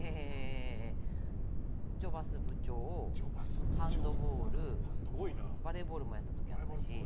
女バス部長ハンドボールバレーボールもやったし。